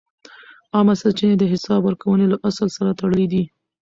عامه سرچینې د حساب ورکونې له اصل سره تړلې دي.